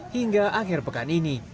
hingga akhir pekan ini